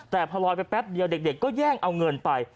แต่พอลอยไปแป๊บเดียวเด็กก็แย่งเอาเงินไป